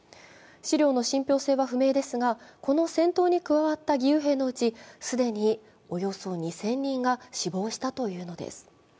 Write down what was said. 資料の信ぴょう性は不明ですが、この戦闘に加わった義勇兵のうち既におよそ２０００人が死亡したというのです。